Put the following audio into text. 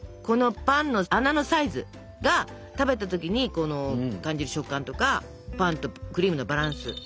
このパンの穴のサイズが食べたときに感じる食感とかパンとクリームのバランス。